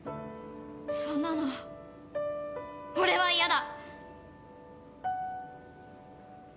そんなの俺は嫌だ！